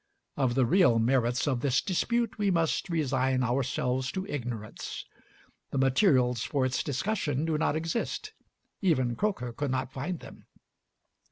Of the real merits of this dispute we must resign ourselves to ignorance. The materials for its discussion do not exist; even Croker could not find them.